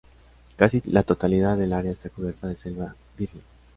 Casi la totalidad del área está cubierta de selva virgen.